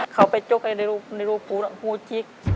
เขาไปจุกในรูปรูจิก